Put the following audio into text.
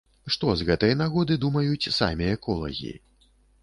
Што з гэтай нагоды думаюць самі эколагі?